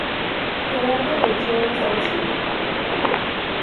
Gerardo Ochoa Salcido.